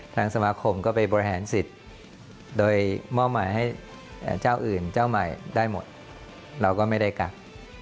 ทางสมาคมก็ไปบริหารสิทธิ์โดยมอบหมายให้เจ้าอื่นเจ้าใหม่ได้หมดเราก็ไม่ได้กัก